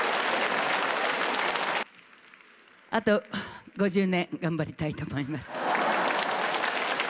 あと５０年、頑張りたいと思います。